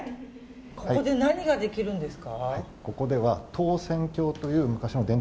ここで何ができるんですか。